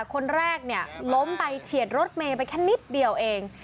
คนแรกเนี่ยล้มไปเฉียดรถเมย์ไปแค่นิดเดียวเอง